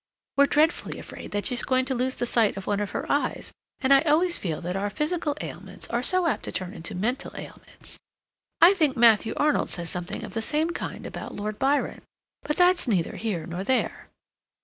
(We're dreadfully afraid that she's going to lose the sight of one of her eyes, and I always feel that our physical ailments are so apt to turn into mental ailments. I think Matthew Arnold says something of the same kind about Lord Byron.) But that's neither here nor there."